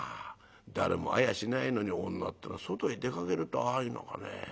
誰も会やしないのに女ってえのは外へ出かけるとああいうのかね。